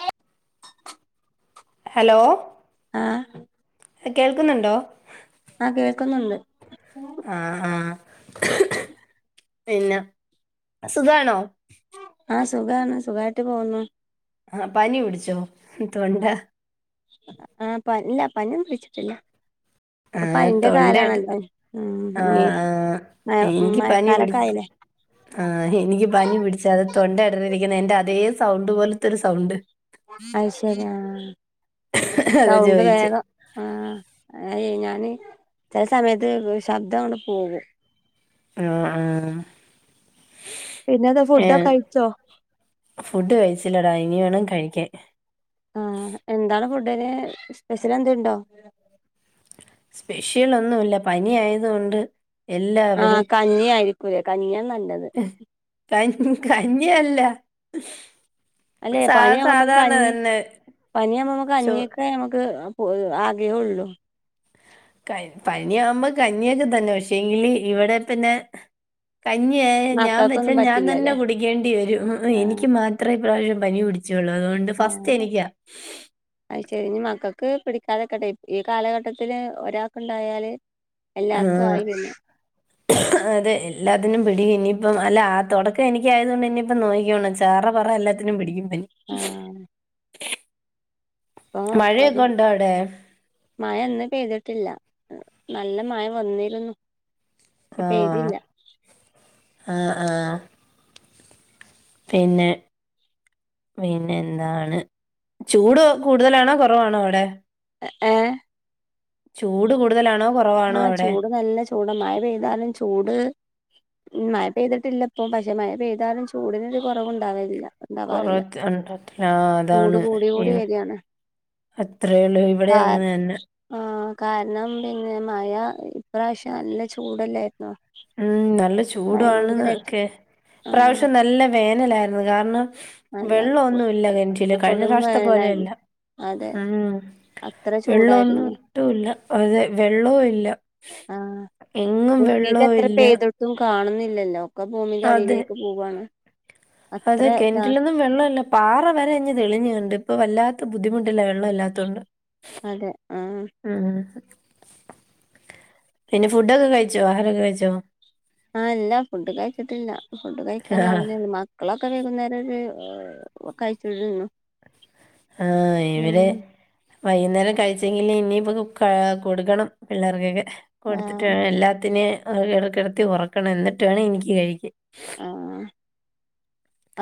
ഏ ഹലോ ആഹ് കേൾക്കുന്നുണ്ടോ ആഹ് കേൾക്കുന്നുണ്ട് ആഹ് ആഹ് പിന്ന സുഖാണോ? ആഹ് സുഖാണ് സുഖായിട്ട് പോന്നു ആഹ് പനി പിടിച്ചോ തൊണ്ട ആ പല്ല പനീന്നും പിടിച്ചിട്ടില്ല ആ ഇപ്പ പനിന്റെ തൊണ്ടയെടു കാലാണല്ലോ മ് ആ മ് ഇ ആ മഴ എനിക്ക് പനി മഴക്കാലൊക്കെ പിടിച്ച് ആയില്ലേ ആ എനിക്ക് പനി പിടിച്ചത് തൊണ്ട ഇടറിരിക്കുന്ന എന്റെ അതെ സൗണ്ട് പോലത്തൊരു സൗണ്ട് അയ്ശരി ആ അതാ സൗണ്ട് ചോദിച്ചെ വേഗം ആ അയ് ഞാന് ചെല സമയത്ത് ശബ്ദം അങ്ങട്ട് പോകും ആഹ് ആഹ് പിന്നെന്ത ഫുഡ് കഴിച്ചോ ഫുഡ് കഴിച്ചില്ലടാ ഇനി വേണം കഴിക്കാൻ ആഹ എന്താണ് ഫുഡിന് സ്പെഷ്യലെന്തെ ഇണ്ടോ സ്പെഷ്യൽ ഒന്നൂല പനി ആയത് കൊണ്ട് ആഹ് എല്ലാവരും കഞ്ഞി ആയിരിക്കൂലെ കഞ്ഞിയ നല്ലത് കഞ്ഞ ഹു ഹ് കഞ്ഞിയല്ല അല്ലെ സാ പനിയാവുമ്പക്ക് സാധാരണ കഞ്ഞി തന്നെ പനിയാവുമ്പോ നമക്ക് ചോ കഞ്ഞിക്ക് നമക്ക് പോലും ആഗ്രഹോള്ളൂ ക പനിയാവുമ്പ കഞ്ഞിയൊക്കെ തന്നെ പക്ഷേങ്കില് ഇവിടെ പിന്നെ കഞ്ഞിയെ ഞാം വെച്ചാ മക്കൾക്കൊന്നും ഞാൻ തന്നെ പറ്റില്ലല്ലേ കുടിക്കേണ്ടി വരൂ ആഹ് എനിക്ക് മാ ത്ര ഇപ്രാവശം പനി പിടിച്ചോളു അതോണ്ട് ഫസ്റ്റേനിക്കാ അയ്ശരി ഇനി മക്കൾക്ക് പിടിക്കാതെക്കട്ടെ ഈ കാലഘട്ടത്തില് ഒരാക്കുണ്ടായാല് ആഹ അതെ എല്ലാത്തിനും പിടിക്കും ഇനിയിപ്പം അല്ല ആ തൊടക്കം എനിക്കായത് കൊണ്ട് ഇനിയിപ്പം നോയിക്കോണം ചറ പറ എല്ലാ ത്തിനും പിടിക്കും പനി ആഹ് ഇപ്പൊ ഒരു മഴയെക്കൊണ്ടോ അവിടെ മഴ ഇന്ന് പെയ്തിട്ടില്ല നല്ല മഴ വന്നിരുന്നു പക്ഷെ ആഹ് പെയ്തില്ല ആ ആ പിന്നെ പിന്നെന്താണ് ചൂട് കൂടുതലാണോ കൊറവാണോ അവടെ എ ഏ ചൂട് കൂടുതലാണോ കൊ ആഹ ചൂട് നല്ല ചൂട് മഴ പെയ്താലും ചൂട് മഴ പെയ്തിട്ടില്ല ഇപ്പം പക്ഷെ മഴ പെയ്താലും ചൂടിനൊരു കൊറവുണ്ടാവില്ല കൊറ [inaudible] ചൂട് അതാണ് കൂടി ഈ കൂടി വരികയാണ് അത്രേയോള്ളൂ ഇവിടെ കാ അങ്ങന തന്നെ ആഹ് കാരണം പിന്നെ മഴ ഇപ്രാവശ്യം നല്ല ചൂടല്ലായിരുന്നോ ഉം നല്ല ചൂടാണ്ന്ന് ഭയങ്കരായിട്ട് ക്കെ ആഹ് ഇപ്രാവശ്യം നല്ല വേനലാരുന്നു കാരണം നല്ല വെള്ളോന്നുല്ല കേണറ്റില് കഴിഞ്ഞ കൊടും പ്രാവശ്ത്ത പോലെയല്ല വേനലായിരുന്നു അതെ ഉം അത്ര വെള്ളോന്നും ചൂടായിരുന്നു ട്ടു ല്ല അതെ വെളെളാം ഇല്ല എങ്ങും വെള്ളംവെ പെയ്ത്ട്ടും കാണുന്നില്ലല്ലോ ഒക്കെ ഭൂമിന്റെ അതെ അടിയിലേക്ക് പോവണ്. അതെ കെൻന്റിലൊന്നും വെള്ളംല്ല പാറ വരെ ഞ് തെളിഞ്ഞുണ്ട് ഇപ്പൊ വല്ലാത്ത ബുദ്ധിമുട്ടല്ല വെള്ളം ഇല്ലാത്തൊണ്ട് അതെ ആഹ് ഉം ഉം പിന്നെ ഫുഡൊക്കെ കഴിച്ചോ ആഹാരൊക്കെ കഴിച്ചോ? ആ അല്ല ഫുഡ് കഴിച്ചിട്ടില്ല ഫുഡ് ആഹ് കഴിക്കാനാവുന്നെ ഉള്ളു മ മക്കളൊക്കെ വൈകുന്നേരം ഒരു കഴ്ചൊഴുൽ ഹാ ഇവരെ വൈകുന്നേരം കഴിച്ചെങ്കിൽ ഇനി ഇപ്പൊ കൊടുക്കണം പിള്ളേർകെക്കെ കൊടുത്തിട്ട് ആഹ് വേണം എല്ലാത്തിനും ഇിടക്കിടത്തി ഒറക്കണം എന്നിട്ട് വേണ് എനിക്ക് കഴിക്ക ആഹ്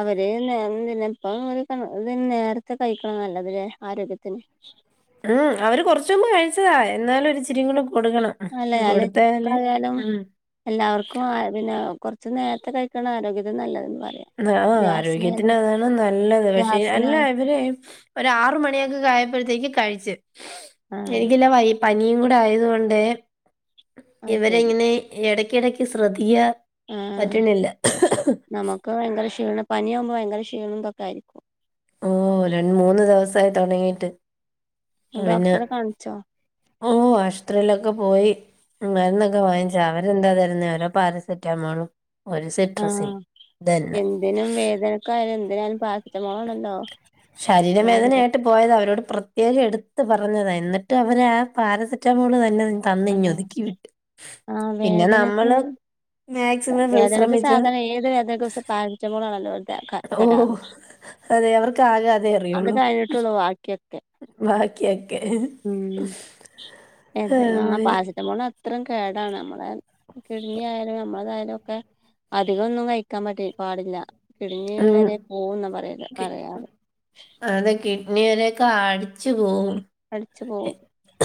അവര് ന്നേ ഇപ്പ ഇ നേരത്തെ കഴിക്കണം നല്ലതേ ആരോഗ്യത്തിന്. ഉം അവര് കൊറച് മുമ്പ് കഴിച്ചതാ എന്നാലും ഒരു ഇചിരിങ് അല്ല കൊടുക്കണം അല്ല കൊടുത്തല് ക്കായാലും ഉം എല്ലാവർക്കും ഏ പിന്നെ കൊർച്ച് നേര്ത്തെ കഴിക്ക്ണാരോഗ്യത്തിന് നല്ലത് ന്ന് പറയ ആഹ് ആരോഗ്യത്തിന് അതാണ് നല്ലത് പക്ഷെ അല്ല ഗ്യാസിനായി ഇവരെ ഒരാറ് മണിയൊക്കെ കായപ്പോഴത്തേക്ക് കഴിച്ച്, ആഹ് എനിക്കില്ല വൈ പനിയും കൂടായതുകൊണ്ട് അത് ശരി ഇവരെഇങ്ങനെ എടക്കിടക്ക് ശ്രദ്ധികാ ആഹ് പറ്റ്ണില്ല നമുക്ക് ഭയങ്കര ക്ഷീണം പനിയാകുമ്പോ ഭയങ്കര ക്ഷീണും തൊക്കെ ആയിരിക്കും. ഓ രണ് മൂന്ന് ദെവസായി തൊടങ്ങിയിട്ട്. ഡോക്ടറെ കാണിച്ചോ? ഓഹ് ആശ്ത്രീലൊക്കെ പോയി. മരുന്നൊക്കെ വാങ്ങിച്ചാ, അവരെന്താ തരുന്നേ ഓരോ പാരസെറ്റാമോളും. ഒരു സിട്രസിൻ ആഹ്, ഇതന്നെ എന്തിനും വേദനക്കായാലും എന്തിനായാലും പാര് എൻ്റെ മോളുണ്ടല്ലോ [unintelligible] ശരീരവേദനയായിട്ട് പോയത് അവരോട് പ്രത്യേകം എടുത്ത് പറഞ്ഞതാ, എന്നിട്ടു അവരാ പാരസെറ്റാമോൾ തന്നെ നിങ് ആഹ് തന്നിഞ്ഞൊതുക്കി വിട്ട്, ആഹ് പിന്നെ വേദനക്ക് ന്നമ്മള് മേക്സിമം വേദനക്ക് വിശ്രമിച്ച് സാധാരണ ഏത് വേദനക്കും സെ പാരസിറ്റമോളാണല്ലോ ഓൽ തെ ക ഓ തെരാറ് അതെ അവർക്കാകെ അതെ അറിയുള്ളൂ ബാക്കിയൊക്കെ ബാക്ക്യൊക്കെ എന്തേന്നാ പാരസിറ്റമോൾ അത്രം കേടാണ്. അമ്മളെ കിട്നിഅയാലും നമ്മളെ തായാലൊക്കെ അധികൊന്നും കഴിക്കാൻ പറ്റി പാടില്ല കിട്നി ഉം വരെ പോവുന്നാ പറയല് പറയാറ് അതെ കിഡ്നി വരൊക്കെ ആടിച്ചു പോവും അടിച്ചു പോവും.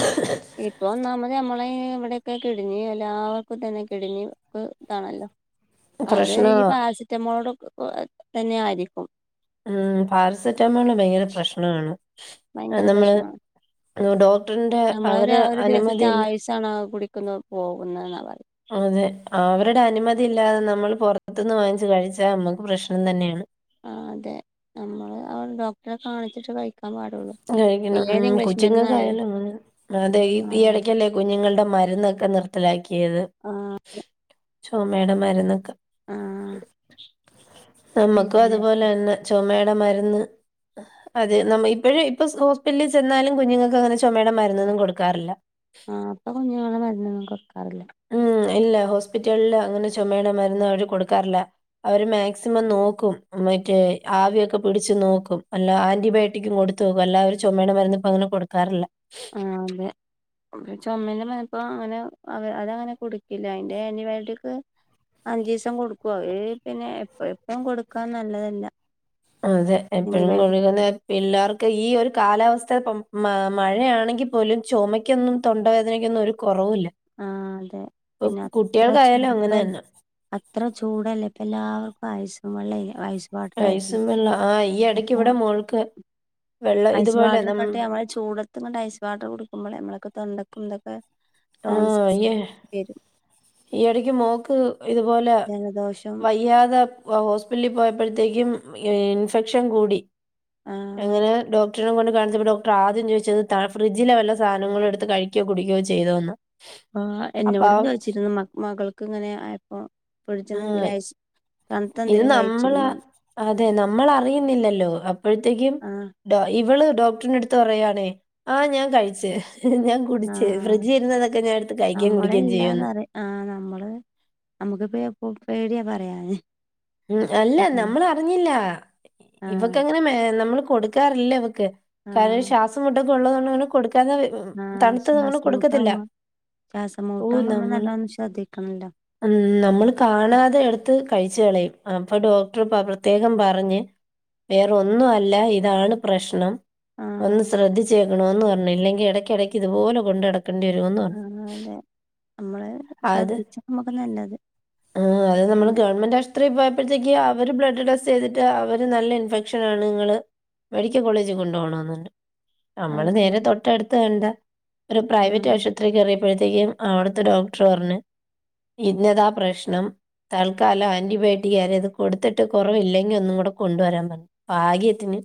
[unintelligible] ഇപ്പൊ ഒന്നാമത് അമ്മളേ ഇവിടെയൊക്കെ കിട്നി എല്ലാവർക്കും തന്നെ കിടിനിക്ക് താണല്ലോ അത് ഈ പ്രശ്നവാ പാരസിറ്റമോളടൊക് എ തന്നെ ആയിരിക്കും ഉം പാരസെറ്റാമോള് ഭയങ്കര പ്രശ്നൊവാണ് അത് ഭയങ്കര നമ്മള് പ്രശ്നമാണ് ഡോക്ടറിന്റെ അവരെ അനുമതിയില്ല ഷാണ കുടിക്കൊന്ന് പോകുന്നെന്നാണ് പറുന്നത് അതെ, അവരുടെ അനുമതി ഇല്ലാതെ നമ്മൾ പൊറത്ത്ന്ന് വാങ്ങിച്ച് കഴിച്ചാ നമ്മക്ക് പ്രശ്നം തന്നേണ്. ആഹ് അതെ നമ്മള് ഡോക്ടറെ കാണിച്ചിട്ട് കഴിക്കാൻ പാടുള്ളൂ. കഴിക്കണം ഏത് ഉം ഇംഗ്ലീഷ് മരുന്നായാലും കൊച്ചിങ്ങക്കായലുംങ്ങനെ അതെ ഈ ഈ ആഹ് എടക്കല്ലേ കുഞ്ഞുങ്ങളുടെ മരുന്നൊക്കെ നിർത്തലാക്കിയത്. ആഹ് ചൊമേടെ മരുന്നക്ക, ആഹ് നമ്മുക്കും പിന്നെ അതുപോലെ തന്നെ. ചൊമേടെ മരുന്ന് അത് നമ്മെ ഇപ്പോഴി ഇപ്പൊ ഹോസ്പിറ്റലിൽ ചെന്നാലും കുഞ്ഞുങ്ങക്കങ്ങനെ ചൊമയുടെ മരുന്നൊന്നും കൊടുക്കാറില്ല ആഹ് പ്പൊ കുഞ്ഞുങ്ങൾടെ മരുന്നൊന്നും കൊടുക്കാറില്ല ഉം ഇല്ല ഹോസ്പിറ്റലില് അങ്ങനെ ചുമയുടെ മരുന്ന് അവര് കൊടുക്കാറില്ല അവര് മാക്സിമം നോക്കും മറ്റേ ആവിയൊക്കെ പിടിച്ച് നോക്കും അല്ല ആന്റിബയോട്ടിക്കും കൊടു ത്തോക്കും. എല്ലാവരും ചൊമയുടെ മരുന്ന് പ്പങ്ങനെ കൊടുക്കാറില്ല ആഹ്‌ അതെ ചൊമന്റെ മരുന്ന് അപ്പൊ അങ്ങനെ അതങ്ങനെ കുടുക്കില്ല അതിന്റെ ആന്റിബയോട്ടിക് അഞ്ചീസം കൊടുക്കവര് അത് പിന്നെ എപ്പ എപ്പും കൊടുക്കാൻ നല്ലതല്ല അതെ എപ്പഴും ആന്റിബയോട്ടിക് കൊട്ക്ക്ന്നെ പിള്ളേർക്ക് ഈ ഒരു കാലാവസ്ഥ മഴയാണെങ്കിൽ പോലും ചൊമയ്ക്കൊന്നും തൊണ്ടവേദനക്കൊന്നും ഒരു കൊറവുല്ല ആഹ്‌ അതെ പിന്നെ അത്ര അങ്ങനെ ചൂടെ തന്നെ. ത്ര ചൂടല്ലേ പ്പ എല്ലാർക്കും ആയ്സും വള്ളെ ആ ഐസും വള്ളം ആഹ്‌ ഈ എടക്ക് ഇവിടെ മോൾക്ക് വെള്ളം ഐസ് ഇതുപോലെ വാട്ടർ നം ന്നട്ട് നമ്മ ചൂടത്ത്ങ്ങട്ട് ഐസ് വാട്ടർ കുടിക്കുമ്പളെ നമ്മളൊക്കെ തൊണ്ടക്കും ഇതൊക്കെ ടോൺസസ് വരും ഈയിടക്ക് മോക്ക് ഇതുപോലെ ജലദോഷം വയ്യാതെ ഹോസ്പിറ്റലിൽ പോയപ്പഴത്തേക്കും ഇൻഫെക്ഷൻ കൂടി ആ അങ്ങനെ ഡോക്ടറിനെ കൊണ്ട് കാണിച്ചപ്പോ ഡോക്ടർ ആദ്യം ചോയിച്ചത് ത ഫ്രീഡ്ജിലെ വല്ല സാനങ്ങളും എടുത്ത് കഴിക്കയോ കുടിക്കയോ ചെയ്തോന്ന ആ എന്നോടും ചോയിച്ചിരുന്നു മകൾക്ക് ഇങ്ങനെയായപ്പൊ ഫിഡ്ജിന്ന് എന്തേലും ഐസ് തണുത്ത ഇത് എന്തേലും നമ്മൾ കഴിച്ചിരുന്നോ അതെ നമ്മൾ അറിയുന്നില്ലല്ലോ അപ്പഴത്തേക്കും ആഹ് ട്ടോ ഇവള് ഡോക്ടറിനടുത്ത് പറയാണേ ആ ഞാൻ കഴിച്ച് ഞാ കുടിച്ച് ആഹ് ഫ്രിഡ്ജിരുന്നതൊക്കെ ഞാനെടുത്ത് കഴിക്കേം കുടിക്കേം ചെയ്യുന്ന് ആഹ നമ്മള് നമ്മക്ക് പേ പോ പേടിയാ പറയാന് ഉ അല്ല ആഹ് നമ്മൾ അറിഞ്ഞില്ല ആഹ് ഇവക്കങ്ങനെ നമ്മൾ കൊടുക്കാറില്ല കാരണം ആഹ് ശ്വാസം മുട്ടൊക്കെ ഉള്ളതൊണ്ടങ്ങനെ കൊടുക്കാത്തത് ഉ ആഹ് തണുത്തത് ഞങള് ശ്വാസം കൊടുക്കത്തില്ല മുട്ടാവുമ്പോ ശ്വാസം ഓ മുട്ടാവുമ്പോ നമ്മള് നല്ലോണം ശ്രദ്ധിക്കണല്ലോ ഉം നമ്മള് കാണാതെ എട്ത്ത് കഴിച്ച് കളയും അപ്പൊ ഡോക്ടർ പ്രത്യേകം പറഞ്ഞ് വേറൊന്നും അല്ല ഇതാണ് പ്രശ്നം ഒന്ന് ആഹ് ശ്രദ്ധിച്ചേക്കണോന്ന് പറഞ്ഞു ഇല്ലെങ്കിൽ ഇടക്കിടയ്ക്ക് ഇതുപോലെ കൊണ്ടടക്കണം ക്കണ്ടി വരൂന്ന് പറഞ്ഞു ആഹ് അതെ നമ്മള് അത് ശ്രദ്ധിച്ചാ നമ്മുക്ക് നല്ലത് ആ അത് നമ്മള് പിന്നെ ഗവൺമെന്റ് ആശ് ത്രി പോയപ്പത്തേക്ക് അവര് ബ്ലഡ് ടെസ്റ്റ് ചെയ്തിട്ട് അവര് നല്ല ഇൻഫെക്ഷനാണ് നിങ്ങള് മെഡിക്കൽ കോളേജ് കൊണ്ടോണന്നറിഞ്ഞ് അത് നമ്മള് നേരെ ശരി തൊട്ടടുത്ത് കണ്ട ഒരു പ്രൈവറ്റ് ആഹ് ആശുപ ത്രി കേറിയപ്പത്തേക്കും അവിടത്തെ ഡോക്ടർ പറഞ്ഞ് ഇന്നതാ പ്രശ്നം തൽക്കാല ആന്റി വേട്ടി ഞാന അത് കൊടുത്തിട്ട് കൊറവില്ലെങ്കി ഒന്നും കൂടെ കൊണ്ടുവരാൻ പറഞ്ഞ് ഭാഗ്യത്തിന്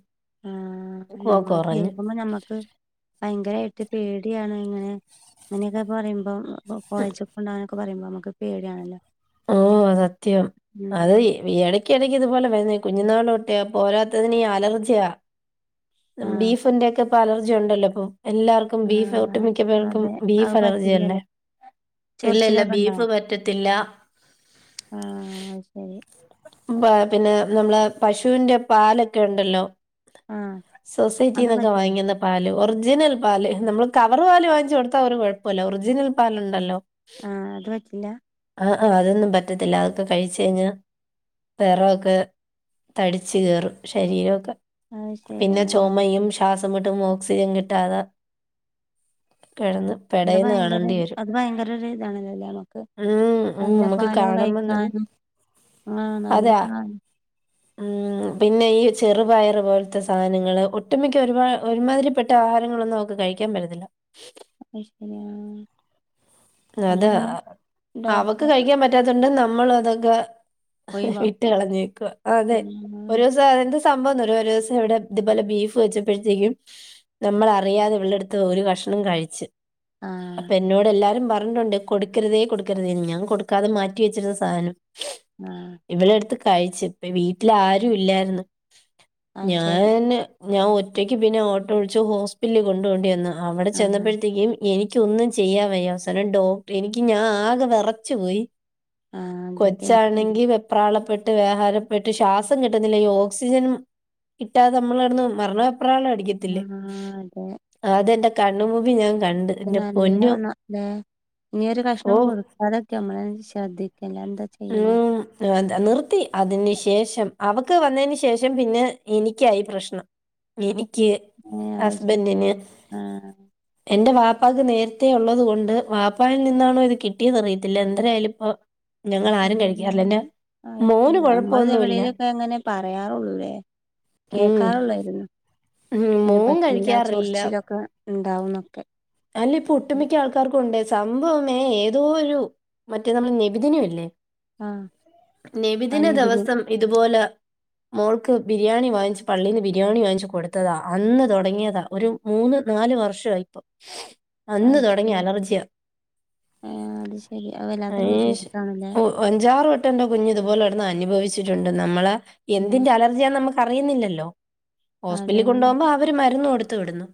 ആഹ കൊ നമ്മൾ കുറഞ്ഞു കേക്കുമ്പോ ഞമ്മക്ക് ഭയങ്കരായിട്ട് പേടിയാണ് ഇങ്ങനെ അങ്ങനെയൊക്കെ പറിമ്പോ കോളേജൊക്കൊണ്ടവാന- ഒക്ക പറിമ്പോ മ്മക്ക് പേടിയാണല്ല ഓ സത്യം അത് ഇടക്കിടക്ക് ഇതുപോലെ വരുന്നാ കുഞ്ഞുനാളോട്ട് അപ്പൊ പോരാത്തതിന് ഈ അലർജിയാ ആഹ് ബീഫിന്റെ ഒക്കെ ഇപ്പ അലർജി ഉണ്ടല്ലോ അപ്പൊ എല്ലാർക്കും ഇപ്പ ബീഫ് ആഹ് ഒട്ടുമിക്ക പേർക്കും അതെ അത് ബീഫ് അലർജി അല്ലേ പറ്റില്ലല്ലേ ഇല്ലല്ല ചൊറിച്ചിലൊക്കെ ബീഫ് പറ്റത്തില്ല ആഹ അ ശരി മുൻപ് പിന്നെ നമ്മള പശുവിന്റെ പാലൊക്കെ ഇണ്ടല്ലോ ആഹ് അത് സൊസൈറ്റിന്നൊക്കെ പറ്റില്ല വാങ്ങിക്ക് ന്ന പാല് ഒറിജിനൽ പാല് നമ്മള് കവർ പാല് വാങ്ങിച്ചു കൊടുത്താ അവര് കുഴപ്പല്ല ഒറിജിനൽ പാലുണ്ടല്ലോ ആഹ് അത് പറ്റില്ല ആഹ് ആ അതൊന്നും പറ്റത്തില്ല അതൊക്കെ കഴിച്ച് കഴിഞ്ഞാൽ വെറവൊക്കെ തടിച്ച് കേറും ശരീരൊക്കെ അത് ശരി പിന്നെ ആഹ് ചോമയും ശ്വാസം മുട്ടും ഓക്സിജൻ കിട്ടാതെ കിടന്ന് അത് പെടയുന്ന ഭയങ്കര കാണേണ്ടി വരും അത് ഭയങ്കര ഇതാണല്ലേ ലെ നമുക്ക് ഉം ഉം നല്ല നമുക്ക് പാലൊന്ന് കാണുമ്പം തന്നെ കഴിക്കാനും ആ നല്ല അതാ പാല് ഉം പിന്നെ ഈ ചെറുപയറ് പോലത്തെ സാധനങ്ങള് ഒട്ടുമിക്ക ഒരുപാട് ഒരുമാതിരിപ്പെട്ട ആഹാരങ്ങളൊന്നും നഅവ കഴിക്കാൻ പറ്റത്തില്ല അയ് ശരി ആഹ് അപ്പൊ അതെ പിന്നെ അവക്ക് ഡോക്ടറെ കഴിക്കാൻ പറ്റാത്തണ്ട് നമ്മളും അതൊക്കെ വിട്ട് ഒഴിവാക്കും കളഞ്ഞക്കുവ അതെ ഒരു ആഹ് എന്ത സംഭവംന്നറിയോ ഒരോസം ഇവിടെ ഇതുപോലെ ബീഫ് വെച്ചപ്പോഴത്തേക്കും നമ്മള് അറിയാതെ ഇവളെടുത്ത് ഒരു കഷണം കഴിച്ച് ആഹ് ഇന്നോട് എല്ലാരും പറഞ്ഞിട്ടുണ്ട് കൊടുക്കരുതേ കൊടുക്കരുതേ ഞാൻ കൊടുക്കാതെ മാറ്റി വെച്ചിരുന്ന സാനം. ആഹ് ഇവളെടുത്ത് കഴിച്ച് ഇപ്പ വീട്ടിൽ ആരും ഇല്ലായിര്ന്നു അത് ശരി ഞാന്. ഞാൻ ഒറ്റയ്ക്ക് പിന്നെ ഓട്ടോ വിളിച്ച് ഹോസ്പിലിൽ കൊണ്ടോണ്ടി വന്ന്. അവിടെ ആഹ് ചെന്നപ്പോഴത്തേക്കും. എനിക്കൊന്നും ചെയ്യാൻ വയ്യ. അവസാനം ഡോക്ടർ എനിക്ക് ഞാൻ ആകെ വെറച്ചു പോയി. ആഹ് അതൊക്കെ കൊച്ചാണെങ്കി വെ പ്രാളപ്പെട്ട് വ്യഹാരപ്പെട്ട് ശ്വാസം കിട്ടുന്നില്ല ഈ ഓക്സിജന്. കിട്ടതെ നമ്മള് കടന്ന് മരണ വെപ്രാളടിക്കത് ആഹ് അതെ അതേന്റെ കണ്ണ് മുമ്പി ഞാൻ കണ്ട്. എന്റെ പൊന്നോ നല്ലതാണൊ ലേ ഇനി ഒരു ഓ കഷ്ണം കൊട് അതൊക്കെ നമ്മളെന്ന ശ്രദ്ധിക്കില്ല എന്ത [unintelligible] ആഹ് നിർത്തി അതിന് ശേഷം അവക്ക് വന്നതിന് ശേഷം പിന്നെ എനിക്കായി പ്രശ്നം. എനിക്ക് ഏ അത് ശരി ഹസ്ബൻഡിന് ആഹ് എന്റെ വാപ്പാക്ക് നേര്ത്തെ ഉള്ളത് കൊണ്ട് വാപ്പായിൽ നിന്നാണോ ഇത് കിട്ടിയെന്ന്റിയത്തില്ല എന്തരായാലും ഇപ്പ ആഹ് ആഹ് മോന് ശരി നമ്മൾ കൊഴപ്പൊന്നുല്ല എവിടെേലൊക്കെ ഇങ്ങനെ പറയാറൊള്ളു ലെ. ഉം കേക്കാറുള്ളേരുന്നു ഉം അയ്ന് മോൻ പറ്റീല കഴിക്കാറില്ല ചൊറ്ച്ചിലൊക്കെ ഇണ്ടാവുന്നൊക്കെ അല്ല ഇപ്പൊ ഒട്ടുമിക്ക ആൾക്കാർക്കു ഉണ്ട്. സംഭവമേ ഏതോ ഒരു മറ്റേ നമ്ൾ നബിദിനൊയില്ലേ ആഹ് നബിദിന അനിബിന് ദെവസം ഇതുപോലെ മോൾക്ക് ബിരിയാണി വാങ്ങിച്ച് പള്ളീന്ന് ബിരിയാണി വാങ്ങിച്ച് കൊടുത്തതാ അന്ന് തൊടങ്ങിയതാ ഒരു മൂന്ന് നാല് വർഷായിപ്പൊ അന്ന് അത് തുടങ്ങി ശരി അലർജിയ ഏഹ് അത് ശരി അത് വല്ലാത്തൊരു അയ്നേശ് ബുദ്ധിമുട്ടാണല്ലേ അഞ്ചാറ് വെട്ട എന്റെ കുഞ്ഞു ഇതുപോലെ എടന്ന് അനുഭവിച്ചിട്ട്ണ്ട്. നമ്മളെ ഉം എന്തിന്റെ അല ലർജിയ നമുക്ക് അറിയുന്നില്ലല്ലോ. അതെ ഹോസ്പിറ്റലിൽ കൊണ്ടു പോകുമ്പോ അവര് മരുന്ന് കൊടുത്ത് വിടുന്നു.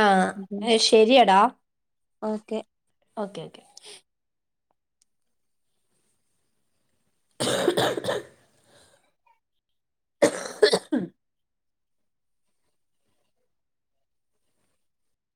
ആഹ് ശെരിയടാ ഓക്കെ ഓക്കെ ക്കെ [inaudible]